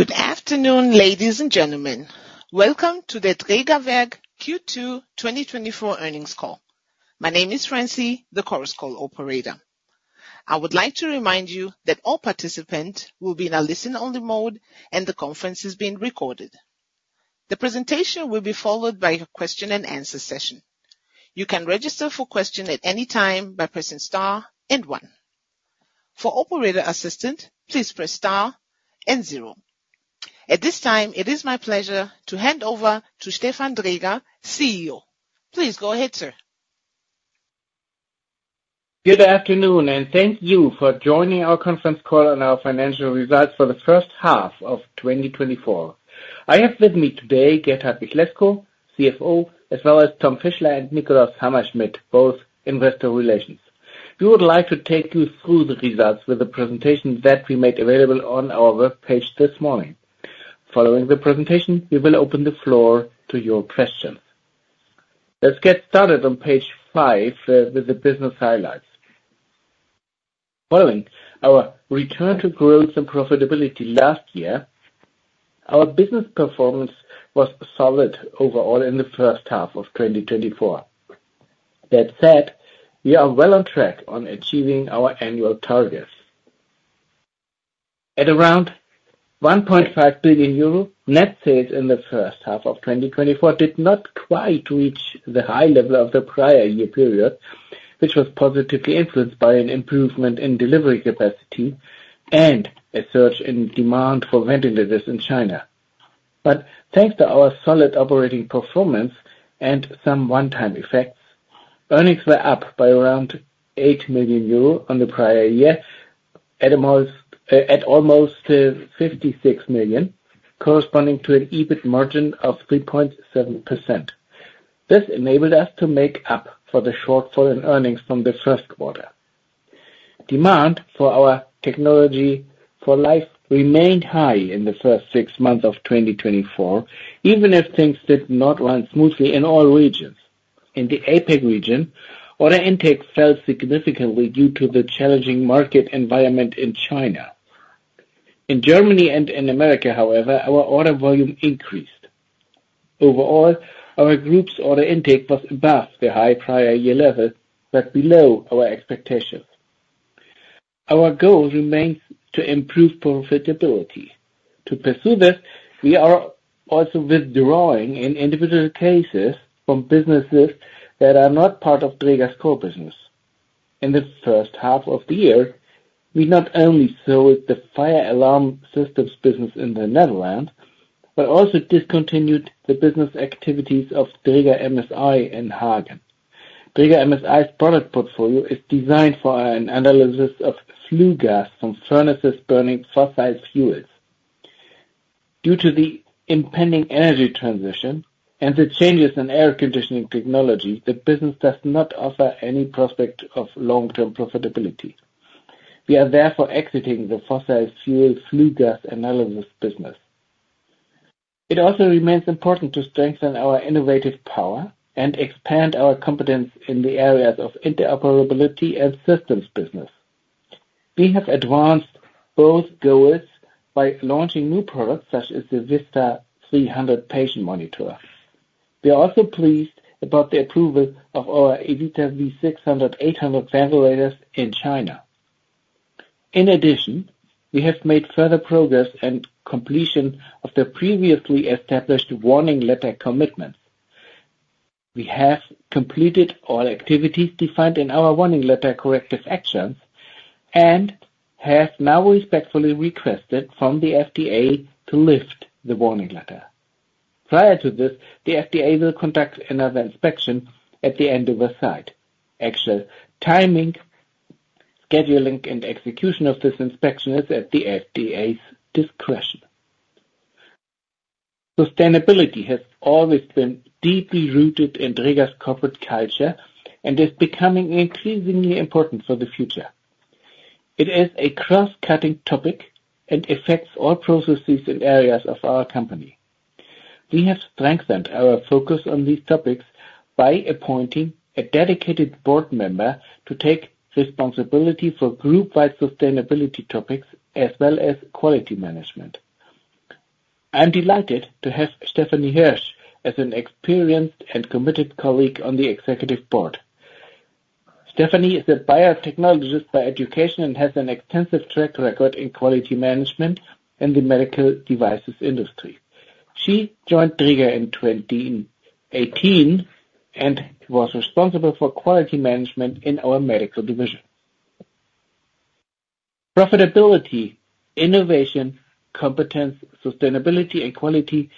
Good afternoon, ladies and gentlemen. Welcome to the Drägerwerk Q2 2024 earnings call. My name is Francie, the conference call operator. I would like to remind you that all participants will be in a listen-only mode, and the conference is being recorded. The presentation will be followed by a question and answer session. You can register for question at any time by pressing star and one. For operator assistant, please press star and zero. At this time, it is my pleasure to hand over to Stefan Dräger, CEO. Please go ahead, sir. Good afternoon, and thank you for joining our conference call on our financial results for the first half of 2024. I have with me today, Gert-Hartwig Lescow, CFO, as well as Tom Fischler and Nikolaus Hammerschmidt, both investor relations. We would like to take you through the results with a presentation that we made available on our web page this morning. Following the presentation, we will open the floor to your questions. Let's get started on page with the business highlights. Following our return to growth and profitability last year, our business performance was solid overall in the first half of 2024. That said, we are well on track on achieving our annual targets. At around 1.5 billion euro, net sales in the first half of 2024 did not quite reach the high level of the prior year period, which was positively influenced by an improvement in delivery capacity and a surge in demand for ventilators in China. But thanks to our solid operating performance and some one-time effects, earnings were up by around 8 million euro on the prior year, at the most, at almost, 56 million, corresponding to an EBIT margin of 3.7%. This enabled us to make up for the shortfall in earnings from the first quarter. Demand for our technology for life remained high in the first six months of 2024, even if things did not run smoothly in all regions. In the APAC region, order intake fell significantly due to the challenging market environment in China. In Germany and in America, however, our order volume increased. Overall, our group's order intake was above the high prior year level, but below our expectations. Our goal remains to improve profitability. To pursue this, we are also withdrawing, in individual cases, from businesses that are not part of Dräger's core business. In the first half of the year, we not only sold the fire alarm systems business in the Netherlands, but also discontinued the business activities of Dräger MSI in Hagen. Dräger MSI's product portfolio is designed for an analysis of flue gas from furnaces burning fossil fuels. Due to the impending energy transition and the changes in air conditioning technology, the business does not offer any prospect of long-term profitability. We are therefore exiting the fossil fuel flue gas analysis business. It also remains important to strengthen our innovative power and expand our competence in the areas of interoperability and systems business. We have advanced both goals by launching new products such as the Vista 300 patient monitor. We are also pleased about the approval of our Evita V600, V800 ventilators in China. In addition, we have made further progress and completion of the previously established warning letter commitment. We have completed all activities defined in our warning letter, corrective actions, and have now respectfully requested from the FDA to lift the warning letter. Prior to this, the FDA will conduct another inspection at the end of the site. Actual timing, scheduling, and execution of this inspection is at the FDA's discretion. Sustainability has always been deeply rooted in Dräger's corporate culture and is becoming increasingly important for the future. It is a cross-cutting topic and affects all processes and areas of our company. We have strengthened our focus on these topics by appointing a dedicated board member to take responsibility for group-wide sustainability topics as well as quality management. I'm delighted to have Stefanie Hirsch as an experienced and committed colleague on the executive board. Stefanie is a biotechnologist by education and has an extensive track record in quality management in the medical devices industry. She joined Dräger in 2018 and was responsible for quality management in our Medical Division. Profitability, innovation, competence, sustainability, and quality,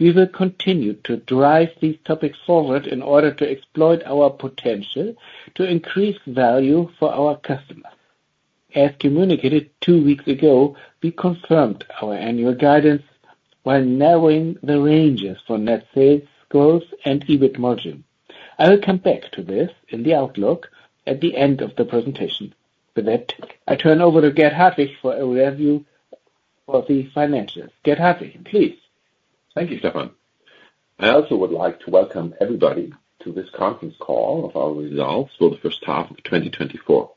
we will continue to drive these topics forward in order to exploit our potential to increase value for our customers. As communicated two weeks ago, we confirmed our annual guidance while narrowing the ranges for net sales growth and EBIT margin. I will come back to this in the outlook at the end of the presentation. With that, I turn over to Gert-Hartwig Lescow for a review of the financials. Gert-Hartwig, please. Thank you, Stefan. I also would like to welcome everybody to this conference call of our results for the first half of 2024.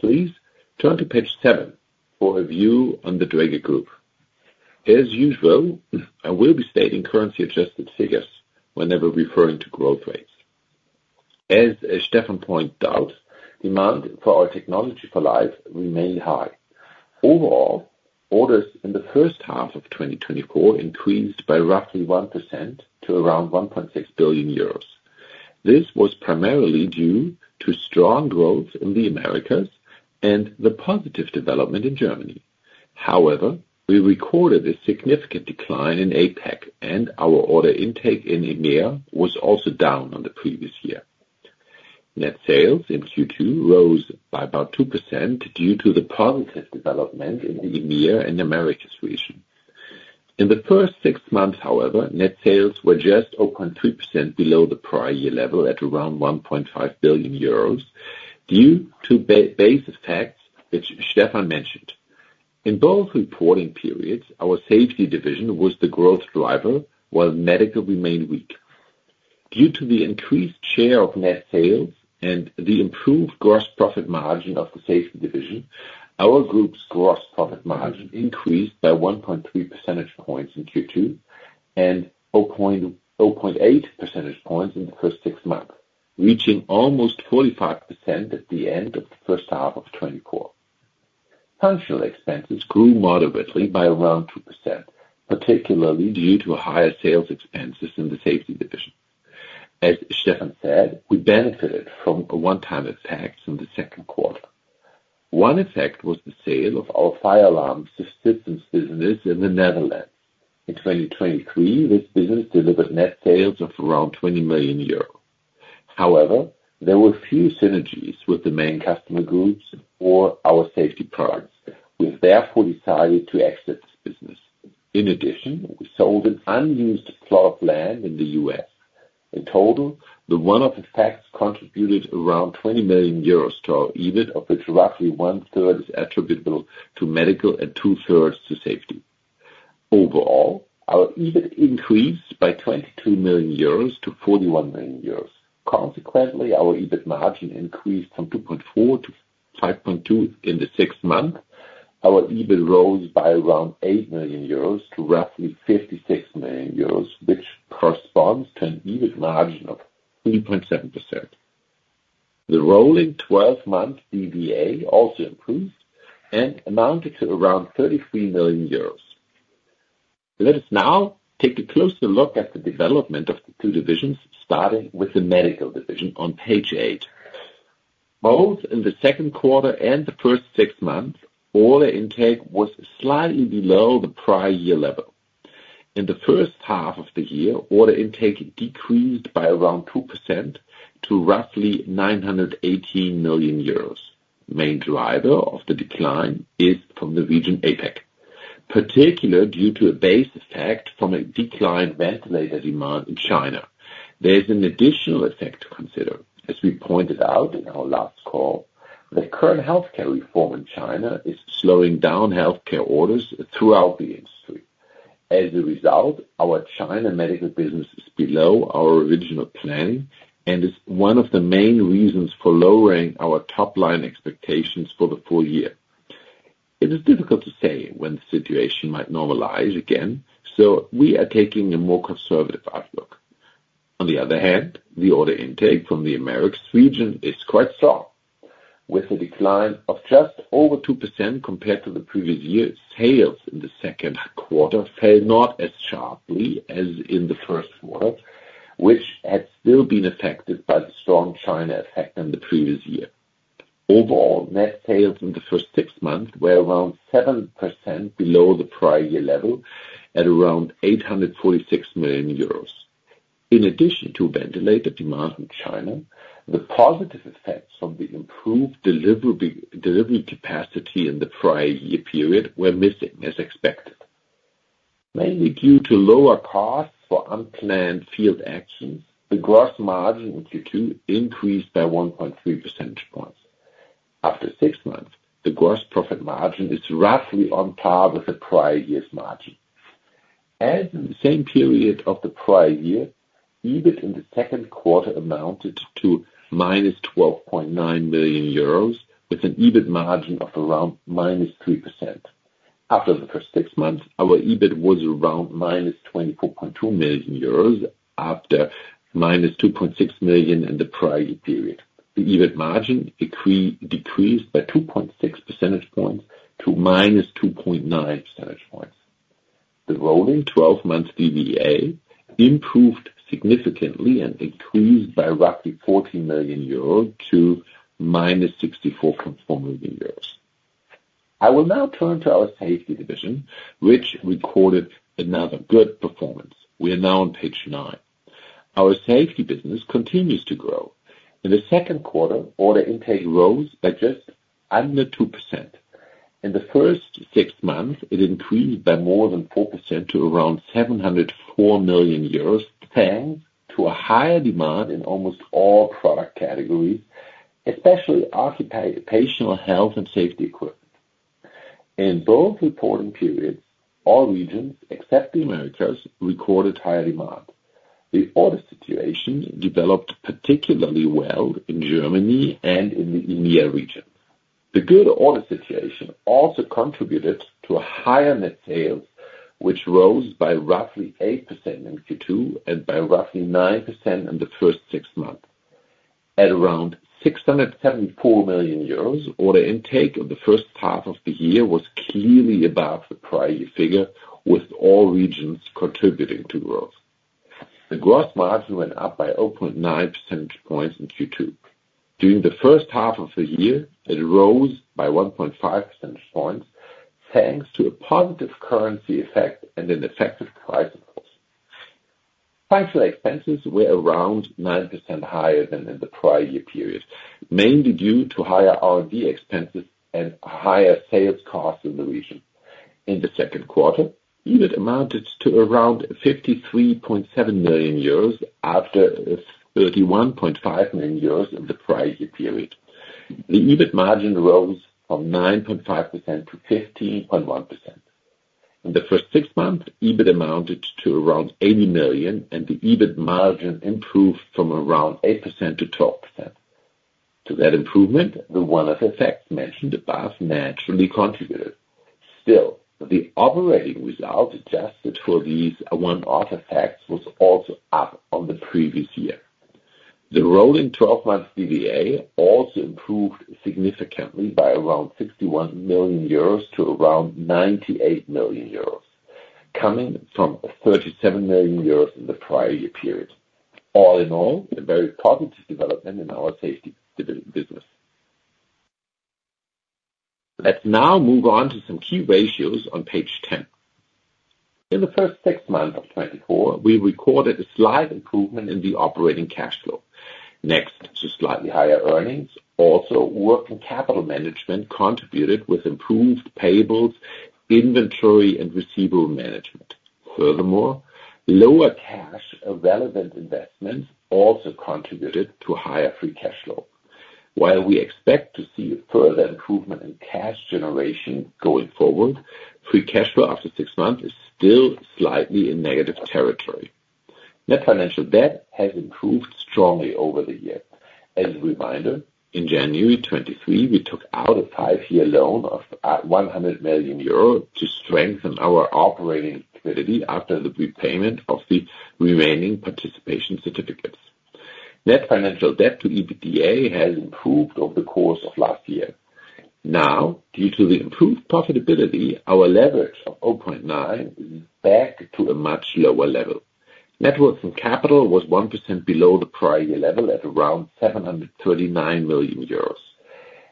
Please turn to page seven for a view on the Dräger Group. As usual, I will be stating currency adjusted figures whenever referring to growth rates. As Stefan pointed out, demand for our technology for life remained high. Overall, orders in the first half of 2024 increased by roughly 1% to around 1.6 billion euros. This was primarily due to strong growth in the Americas and the positive development in Germany. However, we recorded a significant decline in APAC, and our order intake in EMEA was also down on the previous year. Net sales in Q2 rose by about 2% due to the positive development in the EMEA and Americas region. In the first six months, however, net sales were just 0.3% below the prior year level at around 1.5 billion euros, due to base effects, which Stefan mentioned. In both reporting periods, our Safety Division was the growth driver, while medical remained weak. Due to the increased share of net sales and the improved gross profit margin of the Safety Division, our group's gross profit margin increased by 1.3 percentage points in Q2, and 0.08 percentage points in the first six months, reaching almost 45% at the end of the first half of 2024. Functional expenses grew moderately by around 2%, particularly due to higher sales expenses in the Safety Division. As Stefan said, we benefited from a one-time effect in the second quarter. One effect was the sale of our fire alarm systems business in the Netherlands. In 2023, this business delivered net sales of around 20 million euros. However, there were few synergies with the main customer groups or our safety products. We therefore decided to exit this business. In addition, we sold an unused plot of land in the US. In total, the one-off effects contributed around 20 million euros to our EBIT, of which roughly one third is attributable to medical and two thirds to safety. Overall, our EBIT increased by 22 million euros to 41 million euros. Consequently, our EBIT margin increased from 2.4 to 5.2 in the sixth month. Our EBIT rose by around 8 million euros to roughly 56 million euros, which corresponds to an EBIT margin of 3.7%. The rolling twelve-month DVA also improved and amounted to around 33 million euros. Let us now take a closer look at the development of the two divisions, starting with the medical division on page eight. Both in the second quarter and the first six months, order intake was slightly below the prior year level. In the first half of the year, order intake decreased by around 2% to roughly 918 million euros. Main driver of the decline is from the region APAC, particularly due to a base effect from a declined ventilator demand in China. There is an additional effect to consider. As we pointed out in our last call, the current healthcare reform in China is slowing down healthcare orders throughout the industry. As a result, our China medical business is below our original planning and is one of the main reasons for lowering our top line expectations for the full year. It is difficult to say when the situation might normalize again, so we are taking a more conservative outlook. On the other hand, the order intake from the Americas region is quite strong, with a decline of just over 2% compared to the previous year. Sales in the second quarter fell not as sharply as in the first quarter, which had still been affected by the strong China effect in the previous year. Overall, net sales in the first six months were around 7% below the prior year level, at around 846 million euros. In addition to ventilator demand in China, the positive effects from the improved delivery capacity in the prior year period were missing, as expected. Mainly due to lower costs for unplanned field action, the gross margin in Q2 increased by 1.3 percentage points. After six months, the gross profit margin is roughly on par with the prior year's margin. As in the same period of the prior year, EBIT in the second quarter amounted to minus 12.9 million euros, with an EBIT margin of around -3%. After the first six months, our EBIT was around minus 24.2 million euros, after minus 2.6 million in the prior year period. The EBIT margin decreased by 2.6 percentage points to -2.9 percentage points. The rolling twelve-month DVA improved significantly and increased by roughly 14 million euros to minus 64.4 million euros. I will now turn to our Safety Division, which recorded another good performance. We are now on page 9. Our safety business continues to grow. In the second quarter, order intake rose by just under 2%. In the first six months, it increased by more than 4% to around 704 million euros, thanks to a higher demand in almost all product categories, especially occupational health and safety equipment.... In both reporting periods, all regions, except the Americas, recorded high demand. The order situation developed particularly well in Germany and in the EMEA region. The good order situation also contributed to a higher net sales, which rose by roughly 8% in Q2, and by roughly 9% in the first six months. At around 674 million euros, order intake in the first half of the year was clearly above the prior year figure, with all regions contributing to growth. The gross margin went up by 0.9 percentage points in Q2. During the first half of the year, it rose by 1.5 percentage points, thanks to a positive currency effect and an effective price increase. Financial expenses were around 9% higher than in the prior year period, mainly due to higher R&D expenses and higher sales costs in the region. In the second quarter, EBIT amounted to around 53.7 million euros, after 31.5 million euros in the prior year period. The EBIT margin rose from 9.5% to 15.1%. In the first six months, EBIT amounted to around 80 million, and the EBIT margin improved from around 8%-12%. To that improvement, the one-off effects mentioned above naturally contributed. Still, the operating result, adjusted for these one-off effects, was also up on the previous year. The rolling twelve-month EBITDA also improved significantly by around 61 million euros to around 98 million euros, coming from 37 million euros in the prior year period. All in all, a very positive development in our Safety Division business. Let's now move on to some key ratios on page 10. In the first six months of 2024, we recorded a slight improvement in the operating cash flow. Next, to slightly higher earnings, also, working capital management contributed with improved payables, inventory, and receivable management. Furthermore, lower cash of relevant investments also contributed to higher free cash flow. While we expect to see further improvement in cash generation going forward, free cash flow after six months is still slightly in negative territory. Net financial debt has improved strongly over the years. As a reminder, in January 2023, we took out a five-year loan of 100 million euro to strengthen our operating liquidity after the prepayment of the remaining participation certificates. Net financial debt to EBITDA has improved over the course of last year. Now, due to the improved profitability, our leverage of 0.9 is back to a much lower level. Net working capital was 1% below the prior year level, at around 739 million euros.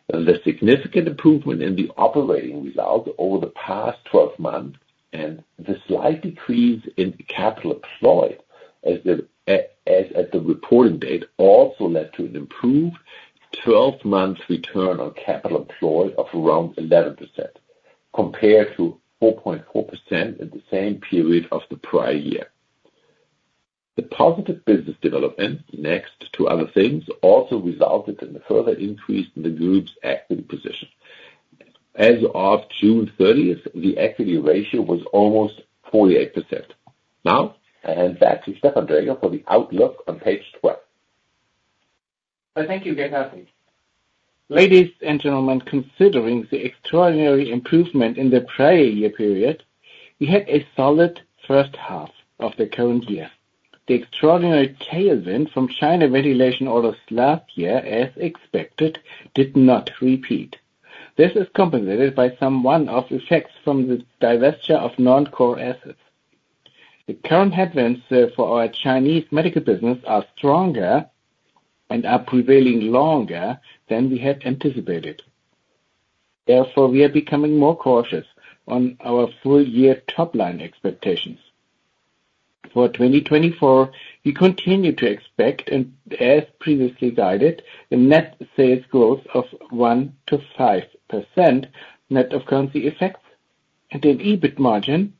And the significant improvement in the operating results over the past 12 months, and the slight decrease in capital employed, as at the reporting date, also led to an improved 12-month return on capital employed of around 11%, compared to 4.4% in the same period of the prior year. The positive business development, next to other things, also resulted in a further increase in the group's equity position. As of June 30, the equity ratio was almost 48%. Now, I hand back to Stefan Dräger for the outlook on page 12. Well, thank you, Gert. Ladies and gentlemen, considering the extraordinary improvement in the prior year period, we had a solid first half of the current year. The extraordinary tailwind from China ventilation orders last year, as expected, did not repeat. This is compensated by some one-off effects from the divestiture of non-core assets. The current headwinds for our Chinese medical business are stronger and are prevailing longer than we had anticipated. Therefore, we are becoming more cautious on our full year top-line expectations. For 2024, we continue to expect, and as previously guided, a net sales growth of 1%-5%, net of currency effects, and an EBIT margin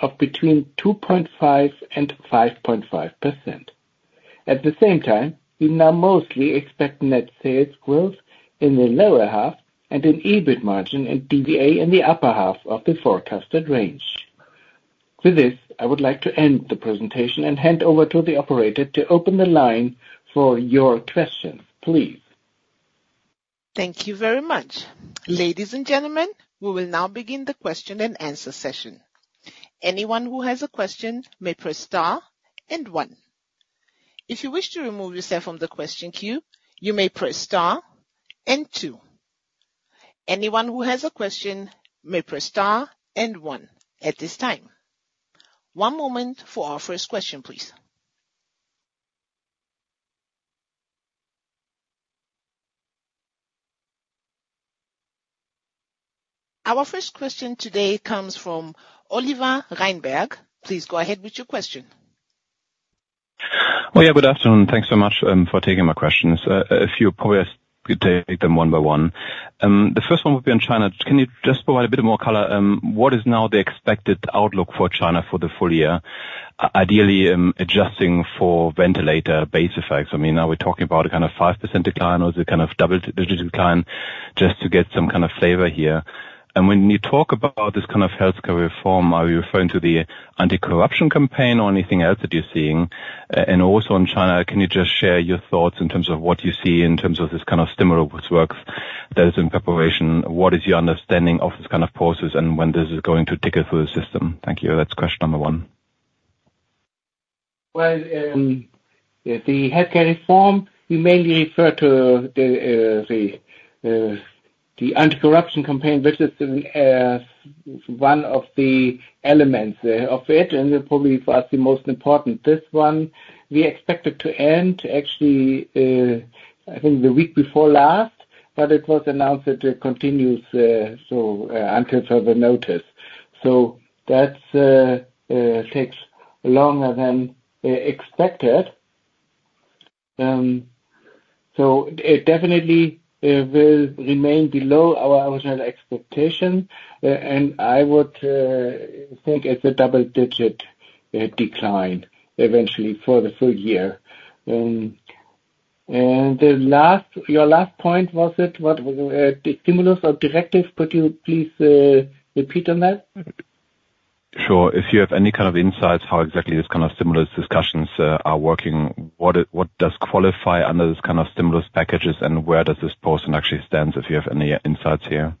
of between 2.5% and 5.5%. At the same time, we now mostly expect net sales growth in the lower half and an EBIT margin and DVA in the upper half of the forecasted range. With this, I would like to end the presentation and hand over to the operator to open the line for your questions, please. Thank you very much. Ladies and gentlemen, we will now begin the question-and-answer session. Anyone who has a question may press star and one. If you wish to remove yourself from the question queue, you may press star and two. Anyone who has a question may press star and one at this time. One moment for our first question, please. Our first question today comes from Oliver Reinberg. Please go ahead with your question. Oh, yeah, good afternoon. Thanks so much for taking my questions. A few, probably if you take them one by one. The first one will be on China. Can you just provide a bit more color, what is now the expected outlook for China for the full year? Ideally, adjusting for ventilator base effects. I mean, are we talking about a kind of 5% decline or is it kind of double-digit decline? Just to get some kind of flavor here. And when you talk about this kind of healthcare reform, are you referring to the anti-corruption campaign or anything else that you're seeing? And also in China, can you just share your thoughts in terms of what you see in terms of this kind of stimulus works that is in preparation? What is your understanding of this kind of process and when this is going to trickle through the system? Thank you. That's question number one. Well, the healthcare reform, we mainly refer to the anti-corruption campaign, which is one of the elements of it, and probably for us, the most important. This one, we expected to end actually, I think the week before last, but it was announced that it continues, so until further notice. So that takes longer than expected. So it definitely will remain below our original expectation, and I would think it's a double-digit decline eventually for the full year. And the last—your last point, was it, what was the stimulus or directive? Could you please repeat on that? Sure. If you have any kind of insights, how exactly this kind of stimulus discussions are working, what does qualify under this kind of stimulus packages, and where does this position actually stand, if you have any insights here?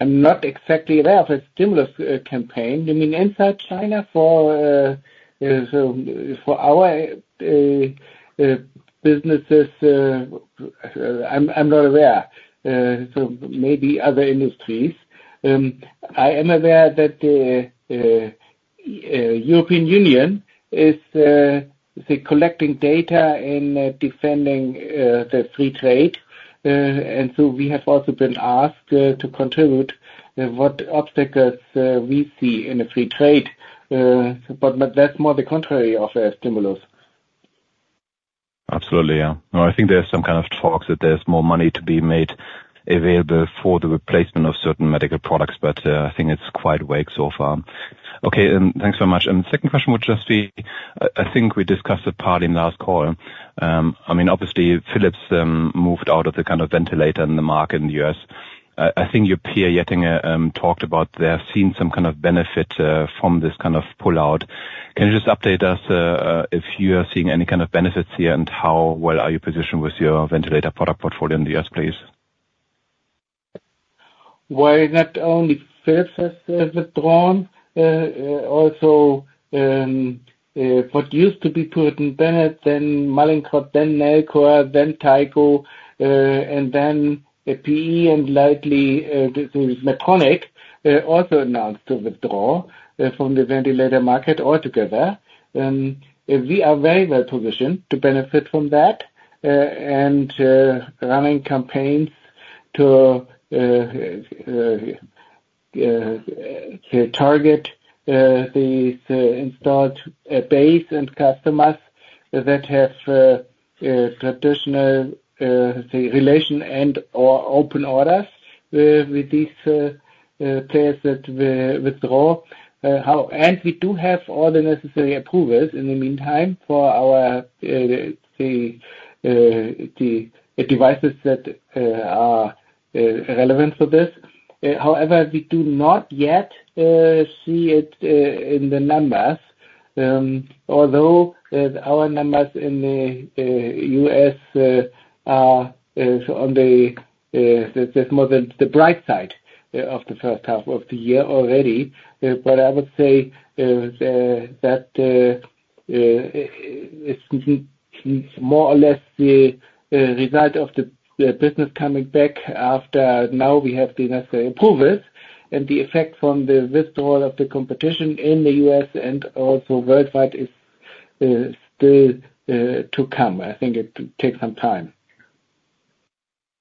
I'm not exactly aware of a stimulus campaign. You mean inside China? So for our businesses, I'm not aware. So maybe other industries. I am aware that the European Union is, they're collecting data and defending the free trade. And so we have also been asked to contribute what obstacles we see in the free trade. But that's more the contrary of a stimulus. Absolutely, yeah. No, I think there's some kind of talks that there's more money to be made available for the replacement of certain medical products, but, I think it's quite awake so far. Okay, thanks so much. And the second question would just be, I think we discussed it partly in last call. I mean, obviously, Philips moved out of the kind of ventilator in the market in the U.S. I think your peer, Getinge, talked about they have seen some kind of benefit from this kind of pullout. Can you just update us if you are seeing any kind of benefits here, and how well are you positioned with your ventilator product portfolio in the US, please? Well, not only Philips has withdrawn, also what used to be Puritan Bennett, then Mallinckrodt, then Nellcor, then Tyco, and then PE and lately Medtronic also announced to withdraw from the ventilator market altogether. We are very well positioned to benefit from that, and running campaigns to target the installed base and customers that have traditional, say, relation and/or open orders with these players that withdraw. And we do have all the necessary approvals in the meantime for the devices that are relevant for this. However, we do not yet see it in the numbers, although our numbers in the U.S. are on the more bright side of the first half of the year already. But I would say that it's more or less the result of the business coming back after now we have the necessary approvals, and the effect from the withdrawal of the competition in the U.S. and also worldwide is still to come. I think it takes some time.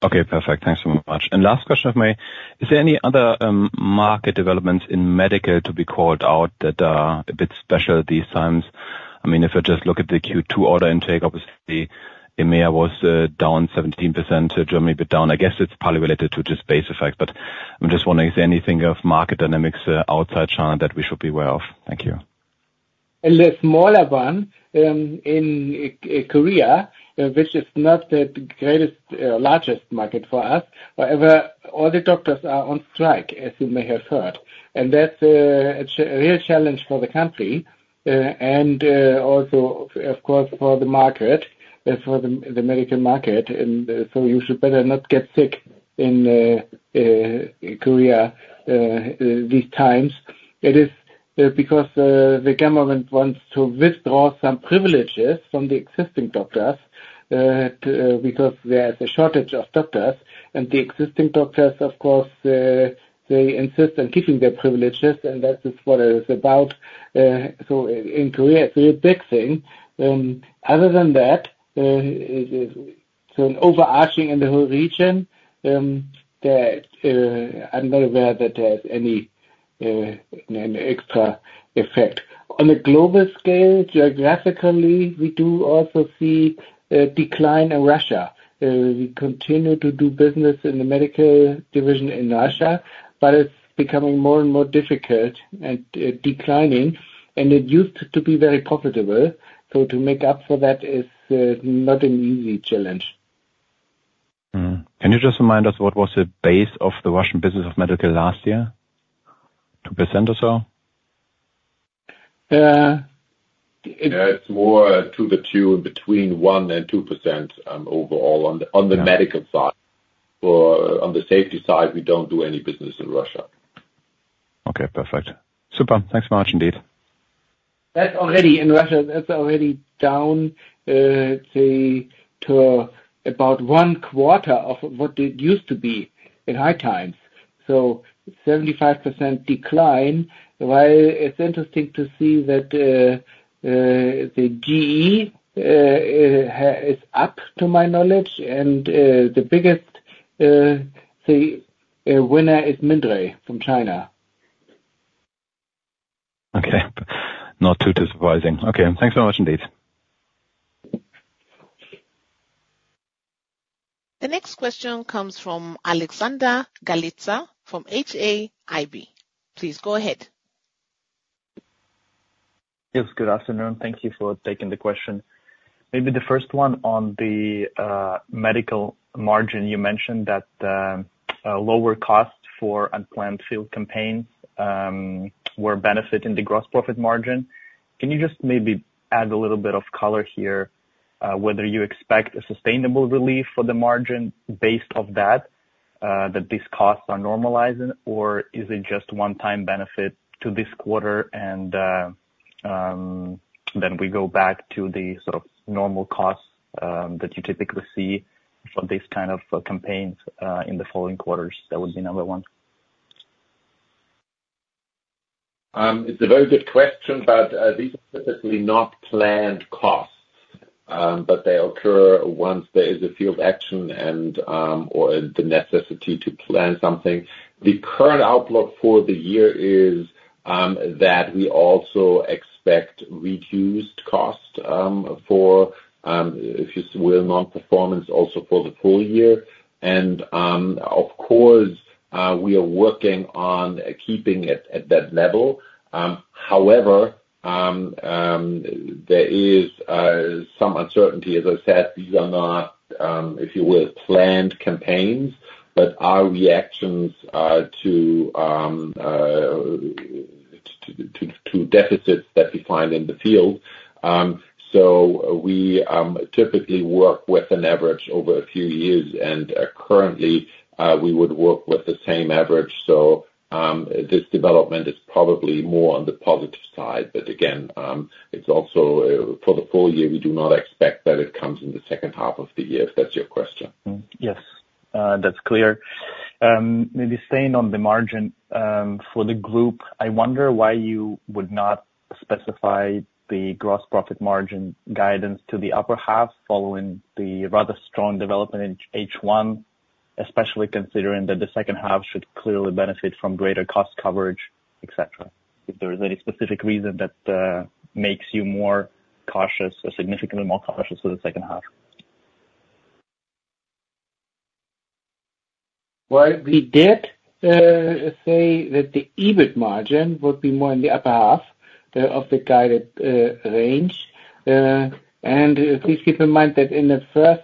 Okay, perfect. Thanks so much. And last question of me: Is there any other, market developments in medical to be called out that are a bit special these times? I mean, if I just look at the Q2 order intake, obviously, EMEA was down 17%, so Germany a bit down. I guess it's probably related to just base effect, but I'm just wondering, is there anything of market dynamics outside China that we should be aware of? Thank you. A smaller one in Korea, which is not the greatest largest market for us. However, all the doctors are on strike, as you may have heard, and that's a real challenge for the country, and also, of course, for the market, for the medical market, and so you should better not get sick in Korea these times. It is because the government wants to withdraw some privileges from the existing doctors, because there's a shortage of doctors, and the existing doctors, of course, they insist on keeping their privileges, and that is what it is about. So in Korea, it's a big thing. Other than that, so overarching in the whole region, there I'm not aware that there's any extra effect. On a global scale, geographically, we do also see a decline in Russia. We continue to do business in the medical division in Russia, but it's becoming more and more difficult and declining, and it used to be very profitable. So to make up for that is not an easy challenge. Mm. Can you just remind us what was the base of the Russian business of medical last year? 2% or so? It's more to the tune between 1% and 2%, overall, on the- Yeah. On the medical side. Or on the safety side, we don't do any business in Russia. Okay, perfect. Super. Thanks very much indeed. That's already in Russia, that's already down, say, to about one quarter of what it used to be in high times. So 75% decline, while it's interesting to see that, the GE, is up to my knowledge, and, the biggest, say, winner is Mindray from China. Okay. Not too, too surprising. Okay, thanks so much indeed. The next question comes from Alexander Galitsa from HAIB. Please go ahead. Yes, good afternoon. Thank you for taking the question. Maybe the first one on the medical margin. You mentioned that a lower cost for unplanned field campaign were benefiting the gross profit margin. Can you just maybe add a little bit of color here, whether you expect a sustainable relief for the margin based off that that these costs are normalizing, or is it just one-time benefit to this quarter, and then we go back to the sort of normal costs that you typically see for these kind of campaigns in the following quarters? That would be number one. It's a very good question, but these are specifically not planned costs. But they occur once there is a field action and or the necessity to plan something. The current outlook for the year is that we also expect reduced cost for if you so will, non-performance also for the full year. And of course we are working on keeping it at that level. However, there is some uncertainty. As I said, these are not if you will, planned campaigns, but are reactions to deficits that we find in the field. So we typically work with an average over a few years, and currently we would work with the same average. So, this development is probably more on the positive side, but again, it's also for the full year. We do not expect that it comes in the second half of the year, if that's your question. Mm-hmm. Yes, that's clear. Maybe staying on the margin, for the group, I wonder why you would not specify the gross profit margin guidance to the upper half, following the rather strong development in H1, especially considering that the second half should clearly benefit from greater cost coverage, et cetera. If there is any specific reason that makes you more cautious or significantly more cautious for the second half? Well, we did say that the EBIT margin would be more in the upper half of the guided range. And please keep in mind that in the first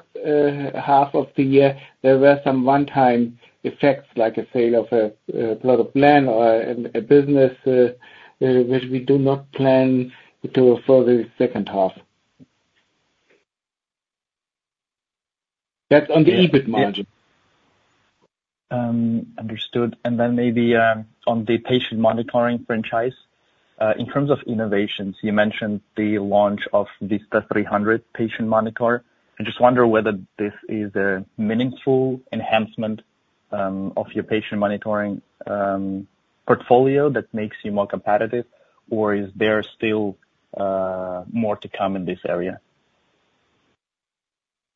half of the year, there were some one-time effects, like a sale of a plot of land or a business, which we do not plan to offer the second half. That's on the EBIT margin. Understood. And then maybe on the patient monitoring franchise, in terms of innovations, you mentioned the launch of the Vista 300 patient monitor. I just wonder whether this is a meaningful enhancement of your patient monitoring portfolio that makes you more competitive, or is there still more to come in this area?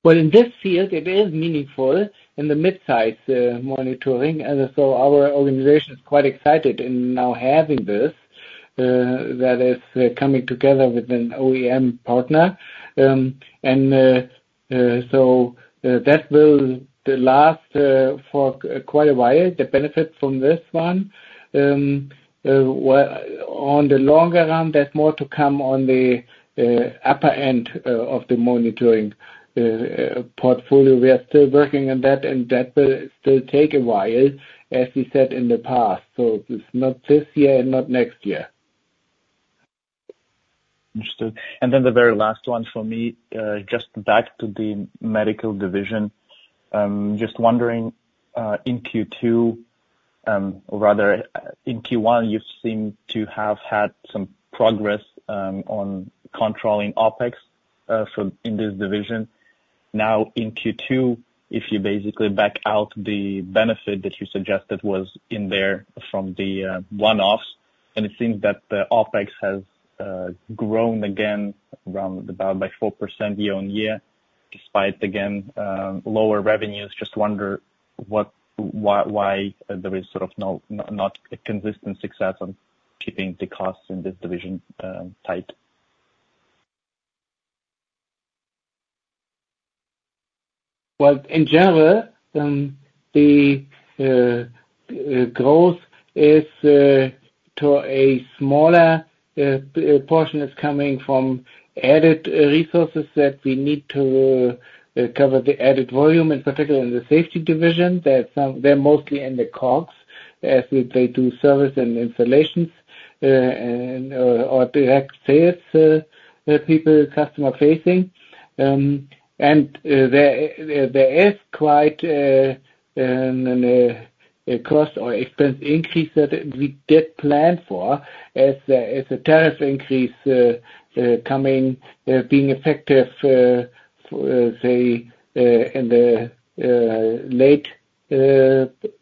Well, in this field, it is meaningful in the mid-size monitoring. And so our organization is quite excited in now having this that is coming together with an OEM partner. And so that will last for quite a while, the benefit from this one. Well, on the longer run, there's more to come on the upper end of the monitoring portfolio. We are still working on that, and that will still take a while, as we said in the past. So it's not this year and not next year. Understood. And then the very last one for me, just back to the medical division. Just wondering, in Q2, or rather in Q1, you seem to have had some progress, on controlling OpEx in this division. Now, in Q2, if you basically back out the benefit that you suggested was in there from the, one-offs, and it seems that the OpEx has, grown again, around about by 4% year-on-year.... despite, again, lower revenues, just wonder what, why, why there is sort of no not a consistent success on keeping the costs in this division tight? Well, in general, the growth is, to a smaller portion, coming from added resources that we need to cover the added volume, in particular in the Safety Division. There are some, they're mostly in the COGS, as they do service and installations, and or direct sales, where people are customer facing. And there is quite a cost or expense increase that we did plan for, as the tariff increase coming, being effective, say, in the late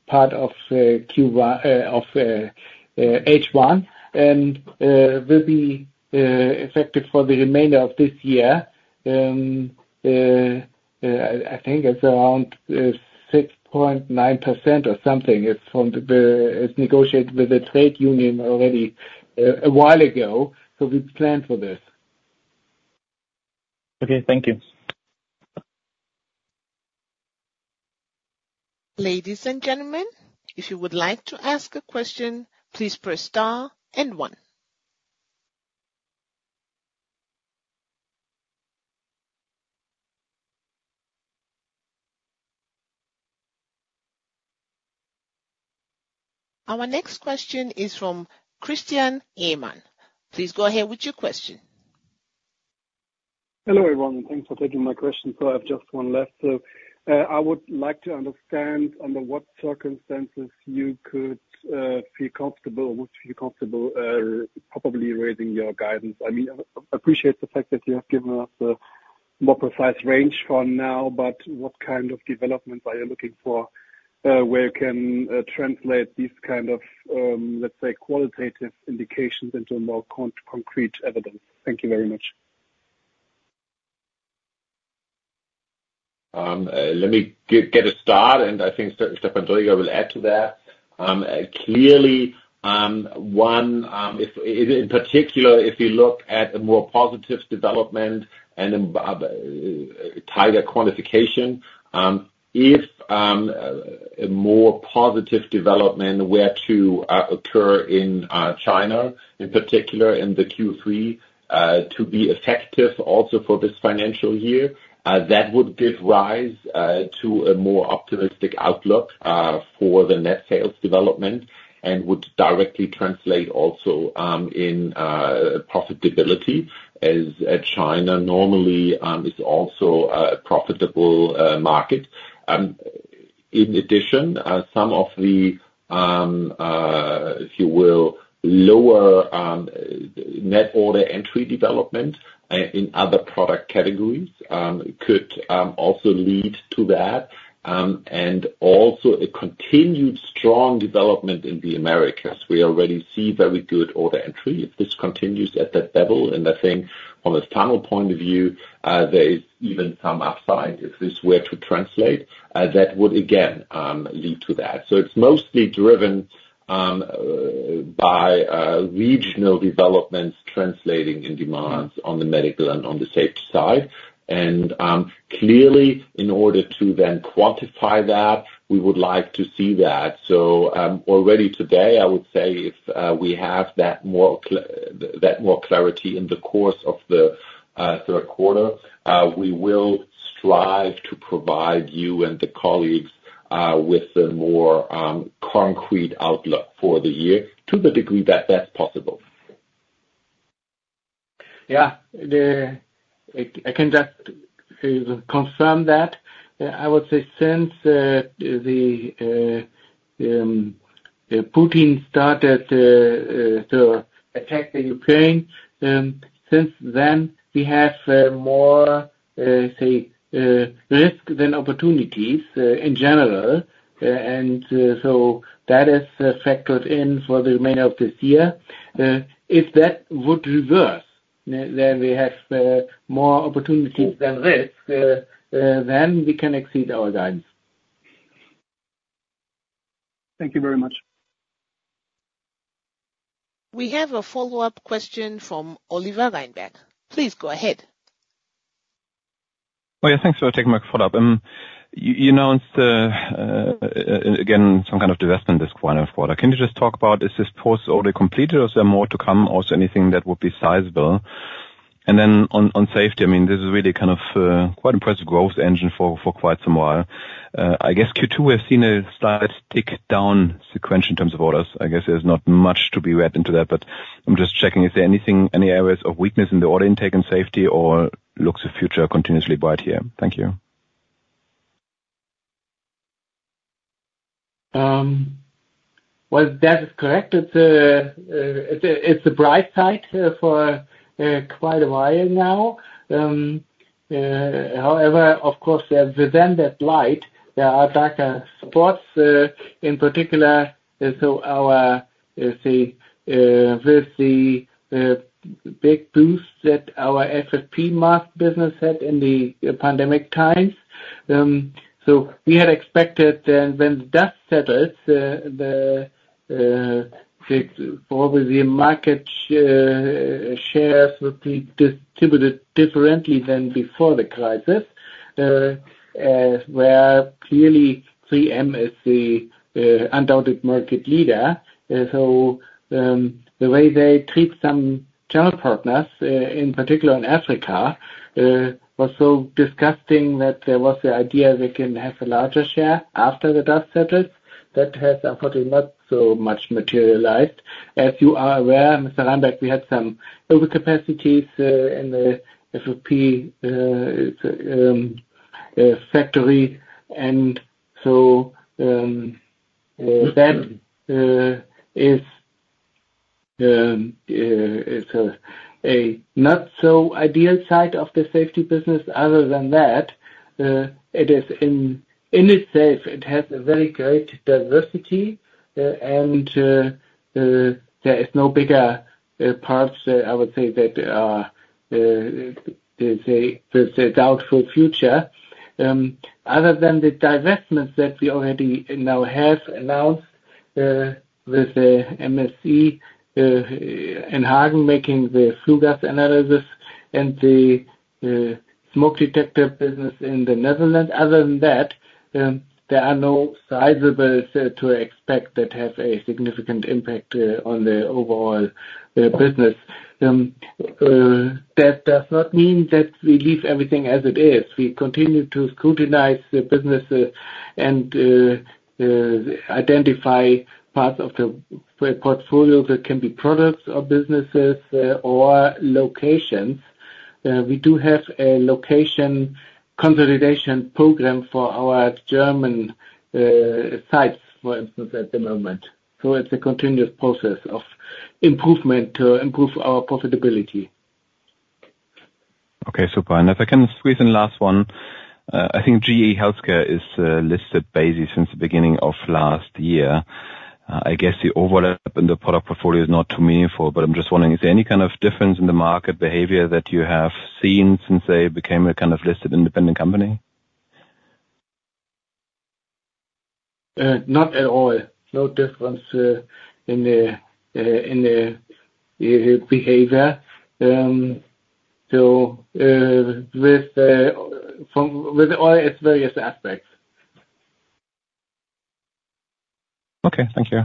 part of Q1 of H1. And will be effective for the remainder of this year. I think it's around 6.9% or something. It's negotiated with the trade union already, a while ago, so we planned for this. Okay, thank you. Ladies and gentlemen, if you would like to ask a question, please press star and one. Our next question is from Christian Ehmann. Please go ahead with your question. Hello, everyone, and thanks for taking my question. I have just one left. I would like to understand, under what circumstances you could feel comfortable or would feel comfortable probably raising your guidance. I mean, I appreciate the fact that you have given us a more precise range for now, but what kind of developments are you looking for, where you can translate these kind of, let's say, qualitative indications into more concrete evidence? Thank you very much. Let me get a start, and I think Stefan Dräger will add to that. Clearly, one, if, in particular, if you look at a more positive development and then, tighter quantification, if, a more positive development were to occur in China, in particular in the Q3, to be effective also for this financial year, that would give rise to a more optimistic outlook for the net sales development, and would directly translate also in profitability, as China normally is also a profitable market. In addition, some of the, if you will, lower net order entry development in other product categories could also lead to that. Also a continued strong development in the Americas. We already see very good order entry. If this continues at that level, and I think from a final point of view, there is even some upside. If this were to translate, that would again lead to that. So it's mostly driven by regional developments translating in demands on the medical and on the safety side. And, clearly, in order to then quantify that, we would like to see that. So, already today, I would say if we have that more clarity in the course of the third quarter, we will strive to provide you and the colleagues with a more concrete outlook for the year, to the degree that that's possible. Yeah. I can just confirm that. I would say since Putin started to attack the Ukraine, since then, we have more, say, risk than opportunities in general. And so that is factored in for the remainder of this year. If that would reverse, then we have more opportunities than risk, then we can exceed our guidance. Thank you very much. We have a follow-up question from Oliver Reinberg. Please go ahead. Oh, yeah, thanks for taking my follow-up. You announced, again, some kind of divestment this quarter. Can you just talk about, is this post order completed or is there more to come, or is there anything that would be sizable? And then on safety, I mean, this is really kind of quite impressive growth engine for quite some while. I guess Q2, we've seen a slight tick down sequentially in terms of orders. I guess there's not much to be read into that, but I'm just checking, is there anything, any areas of weakness in the order intake and safety, or looks the future continuously bright here? Thank you. Well, that is correct. It's a bright side for quite a while now. However, of course, there's within that light, there are darker spots in particular, so with the big boost that our FFP mask business had in the pandemic times. So we had expected when the dust settles the market shares will be distributed differently than before the crisis. Where clearly, 3M is the undoubted market leader. So the way they treat some channel partners in particular in Africa was so disgusting that there was the idea they can have a larger share after the dust settles. That has unfortunately not so much materialized. As you are aware, Mr. Landeck, we had some overcapacities in the FFP factory, and so that is a not so ideal side of the safety business. Other than that, it is in itself, it has a very great diversity, and there is no bigger parts, I would say that there's a doubtful future. Other than the divestments that we already now have announced, with the MSI in Hagen, making the flue gas analysis and the smoke detector business in the Netherlands. Other than that, there are no sizables to expect that have a significant impact on the overall business. That does not mean that we leave everything as it is. We continue to scrutinize the business, and identify parts of the portfolio that can be products or businesses, or locations. We do have a location consolidation program for our German sites, for instance, at the moment. So it's a continuous process of improvement, improve our profitability. Okay, super. And if I can squeeze in last one. I think GE HealthCare is listed basically since the beginning of last year. I guess the overlap in the product portfolio is not too meaningful, but I'm just wondering, is there any kind of difference in the market behavior that you have seen since they became a kind of listed, independent company? Not at all. No difference in the behavior. So, with all its various aspects. Okay, thank you.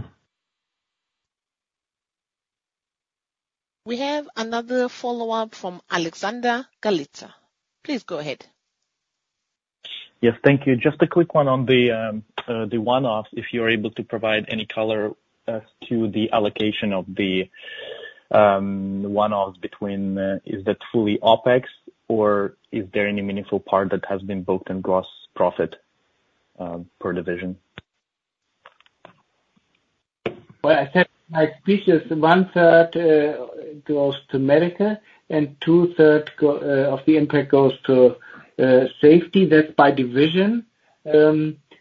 We have another follow-up from Alexander Galitsa. Please go ahead. Yes, thank you. Just a quick one on the one-offs, if you're able to provide any color to the allocation of the one-offs between, is that fully OpEx, or is there any meaningful part that has been booked in gross profit per division? Well, I said, my speech is one third goes to medical, and two third go of the impact goes to safety. That's by division. There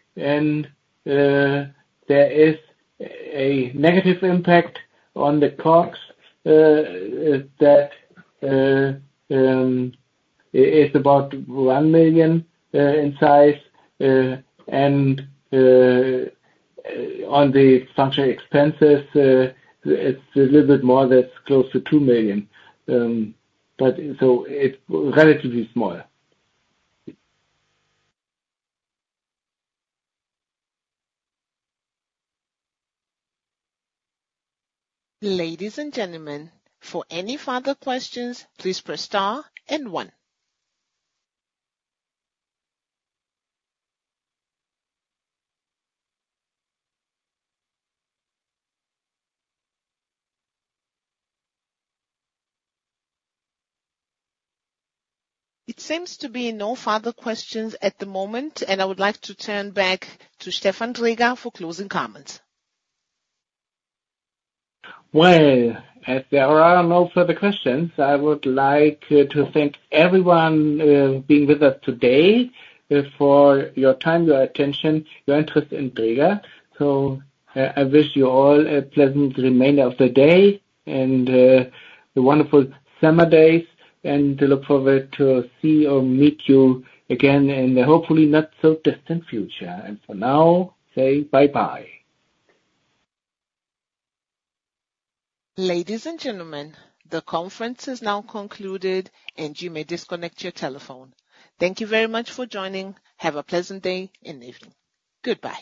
is a negative impact on the costs that it's about 1 million in size, and on the structure expenses it's a little bit more, that's close to 2 million. But so it's relatively small. Ladies and gentlemen, for any further questions, please press star and one. It seems to be no further questions at the moment, and I would like to turn back to Stefan Dräger for closing comments. Well, as there are no further questions, I would like to thank everyone for being with us today for your time, your attention, your interest in Dräger. So, I wish you all a pleasant remainder of the day and a wonderful summer days, and look forward to see or meet you again in the hopefully not so distant future. And for now, say bye-bye. Ladies and gentlemen, the conference is now concluded, and you may disconnect your telephone. Thank you very much for joining. Have a pleasant day and evening. Goodbye.